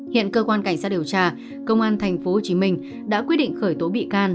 hiện cơ quan cảnh sát điều tra công an tp hcm đã quyết định khởi tố bị can